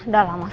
dah lah mas